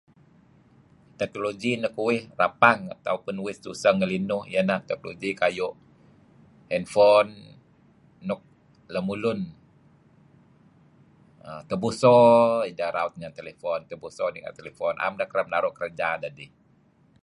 Teknologi nuk nuih uih rapang atau pun nuk uih tuseh nelinuh iyeh ineh teknologi kayu' handphone, nuk lemulun tebiso ideh raut handphone tebuso nier handphone am deh kereb naru kerja dedih.